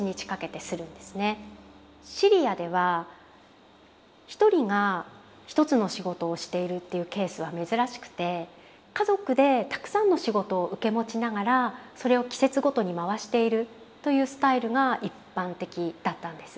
シリアでは１人が１つの仕事をしているというケースは珍しくて家族でたくさんの仕事を受け持ちながらそれを季節ごとに回しているというスタイルが一般的だったんです。